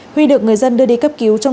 huy được người dân đưa đi cấp cứu